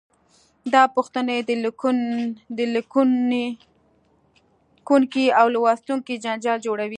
دا پوښتنې د لیکونکي او لوستونکي جنجال جوړوي.